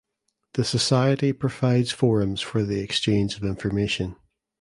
The society provides forums for the exchange of information.